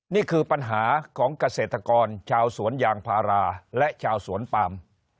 นี่คือปัญหาของเกษตรกรชาวสวนยางพาราและชาวสวนปาม